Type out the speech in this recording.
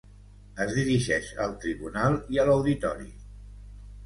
Es dirigeix al tribunal i a l’auditori.